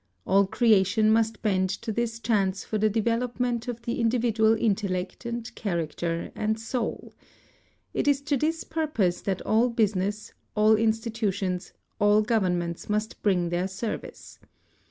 All creation must bend to this chance for the development of the individual intellect and character and soul. It is to this purpose that all business, all institutions, all governments must bring their service.